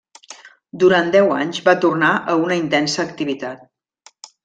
Durant deu anys, va tornar a una intensa activitat.